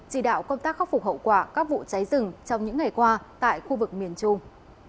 chỉ đạo công tác khắc phục hậu quả các vụ cháy rừng trong những ngày qua tại khu vực miền trung